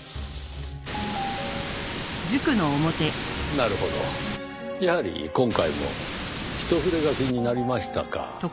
なるほどやはり今回も一筆書きになりましたか。